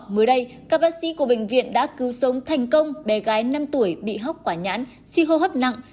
mới đây các bác sĩ của bệnh viện đã cứu sống thành công bé gái năm tuổi bị hóc quả nhãn suy hô hấp nặng